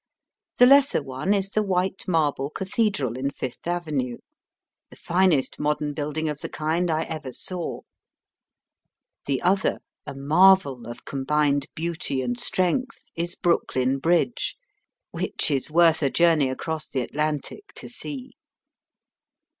The lesser one is the white marble cathedral in Fifth Avenue, the VOL. I. 3 Digitized by VjOOQIC 34 EAST BY WEST. finest modern building of the kind I ever saw. The other, a marvel of combined beauty and strength, is Brooklyn Bridge, which is worth a journey a<5ross the Atlantic to see.